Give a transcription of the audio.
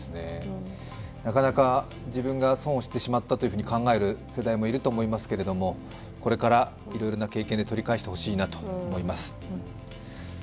なかなか自分が損をしてしまったと考える世代もいるかもしれませんが、これからいろいろな経験で取り返してほしいなと思います。